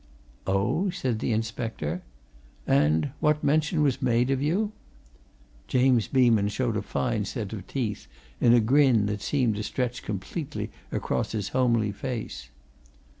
"Oh?" said the inspector. "And what mention was made of you?" James Beeman showed a fine set of teeth in a grin that seemed to stretch completely across his homely face.